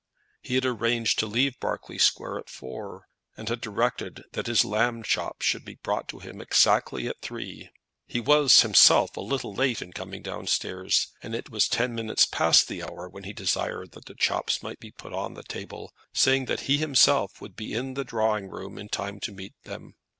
He had arranged to leave Berkeley Square at four, and had directed that his lamb chops should be brought to him exactly at three. He was himself a little late in coming downstairs, and it was ten minutes past the hour when he desired that the chops might be put on the table, saying that he himself would be in the drawing room in time to meet them.